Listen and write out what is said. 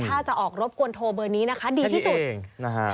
ถ้าจะออกรถกวนโทรเบอร์นี้นะคะดีที่สุด